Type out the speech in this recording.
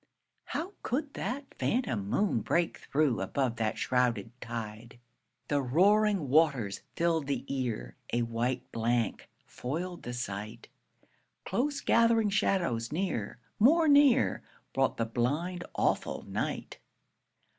How could that phantom moon break through, Above that shrouded tide? The roaring waters filled the ear, A white blank foiled the sight. Close gathering shadows near, more near, Brought the blind, awful night.